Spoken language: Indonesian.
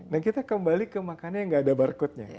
nah kita kembali ke makanan yang tidak ada barcodenya